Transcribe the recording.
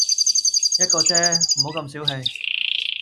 一個啫，唔好咁小氣